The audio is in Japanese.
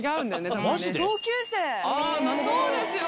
そうですよ